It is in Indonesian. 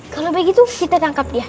kalau begitu kita tangkap dia